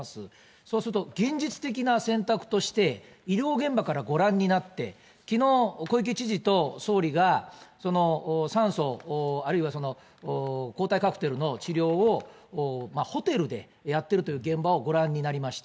そうすると現実的な選択として、医療現場からご覧になって、きのう、小池知事と総理が酸素あるいは抗体カクテルの治療を、ホテルでやってるという現場をご覧になりました。